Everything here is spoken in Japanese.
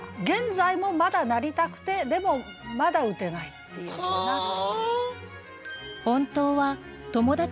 現在もまだなりたくてでもまだ打てないっていうような。